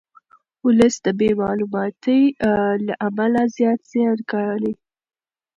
ولس د بې معلوماتۍ له امله زیات زیان ګالي.